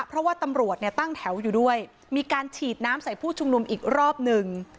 เพราะว่าตำรวจเนี่ยตั้งแถวอยู่ด้วยมีการฉีดน้ำใส่ผู้ชุมนุมอีกรอบหนึ่ง